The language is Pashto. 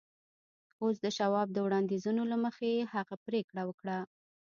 اوس د شواب د وړانديزونو له مخې هغه پرېکړه وکړه.